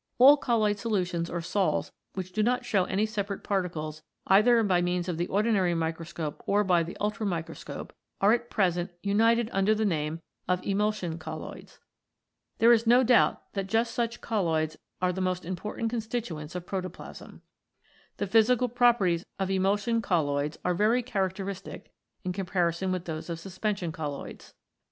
All colloid solutions or sols which do not show any separate particles either by means of the ordinary microscope or by the ultramicroscope, are at present united under the name of Emulsion Colloids. There is no doubt that just such colloids 30 COLLOIDS IN PROTOPLASM are the most important constituents of protoplasm. The physical properties of Emulsion Colloids are very characteristic in comparison with those of the suspension colloids.